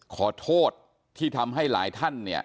ขอโทษที่ทำให้หลายท่านเนี่ย